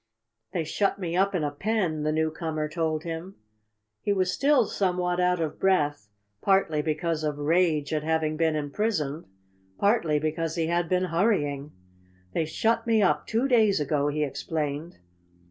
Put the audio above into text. "They shut me up in a pen," the newcomer told him. He was still somewhat out of breath, partly because of rage at having been imprisoned, partly because he had been hurrying. "They shut me up two days ago," he explained.